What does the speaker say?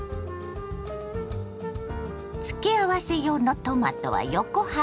付け合わせ用のトマトは横半分に。